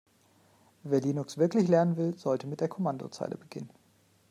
Wer Linux wirklich lernen will, sollte mit der Kommandozeile beginnen.